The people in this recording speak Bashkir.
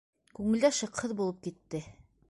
Күңелдә шыҡһыҙ булып китте.